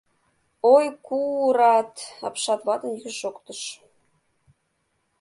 — Ой, ку-урат! — апшат ватын йӱкшӧ шоктыш.